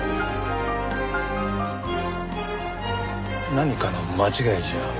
何かの間違いじゃ？